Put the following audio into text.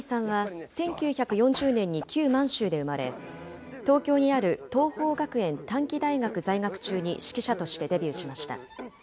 飯守さんは、１９４０年に旧満州で生まれ、東京にある桐朋学園短期大学在学中に指揮者としてデビューしました。